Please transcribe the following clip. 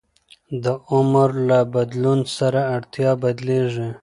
د عمر له بدلون سره اړتیا بدلېږي.